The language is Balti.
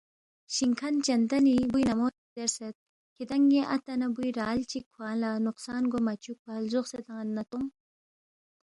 شِنگ کھن چندنی بُوی نمو سی زیرسید، ’کِھدانگ ن٘ی اتا نہ بُوی رال چِک کھوانگ لہ نقصان گوا مہ چُوکپا لزوقسے تان٘ید نہ تونگ